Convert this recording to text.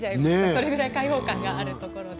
それぐらい開放感があります。